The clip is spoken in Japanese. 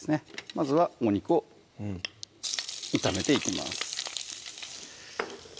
まずはお肉を炒めていきます